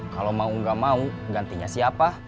kalo mau enggak mau gantinya siapa